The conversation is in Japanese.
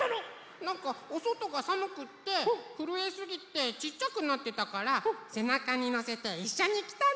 なんかおそとがさむくってふるえすぎてちっちゃくなってたからせなかにのせていっしょにきたの！